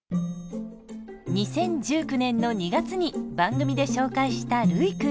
２０１９年の２月に番組で紹介したルイくん。